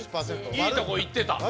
いいとこいってた。